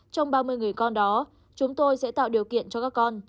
trong ba mươi người con đó chúng tôi sẽ tạo điều kiện cho các con